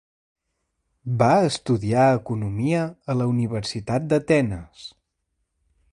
Va estudiar economia a la Universitat d'Atenes.